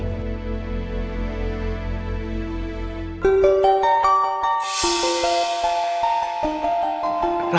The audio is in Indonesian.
gak nelfon lagi ya